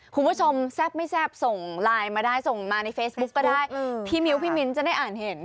หรือไม่ได้พี่มิวพี่มิ้นท์จะได้อ่านเห็น